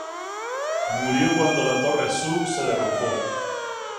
Murió cuando la torre sur se derrumbó.